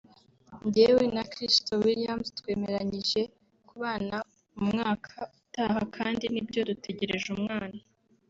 “Njyewe na Crystal Williams twemeranyije kubana mu mwaka utaha kandi nibyo dutegereje umwana”